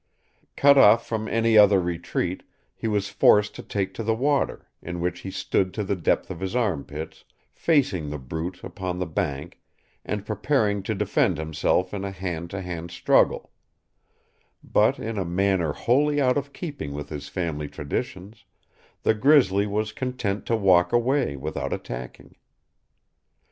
Cut off from any other retreat, he was forced to take to the water, in which he stood to the depth of his armpits, facing the brute upon the bank and preparing to defend himself in a hand to hand struggle; but, in a manner wholly out of keeping with his family traditions, the grizzly was content to walk away without attacking.